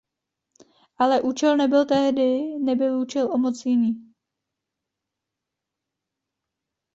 Ale účel nebyl tehdy nebyl účel o moc jiný.